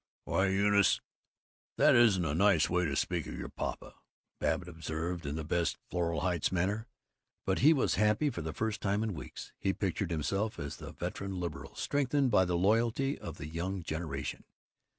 "Why, Eunice, that isn't a nice way to speak of your papa," Babbitt observed, in the best Floral Heights manner, but he was happy for the first time in weeks. He pictured himself as the veteran liberal strengthened by the loyalty of the young generation.